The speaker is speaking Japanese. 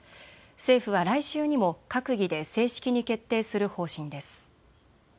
政府は来週にも閣議で正式に決定する方針です。